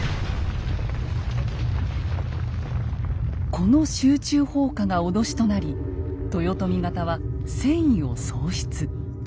この集中放火が脅しとなり豊臣方は戦意を喪失。